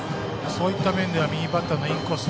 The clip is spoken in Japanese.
そういった面では右バッターのインコース。